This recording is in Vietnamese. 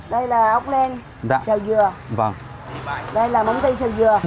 đây là ốc len xào dừa đây là món xay xào dừa